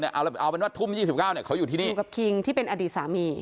เอาแล้วเอาเป็นว่าทุ่มยี่สิบเก้าเนี้ยเขาอยู่ที่นี่อยู่กับคิงที่เป็นอดีตสามี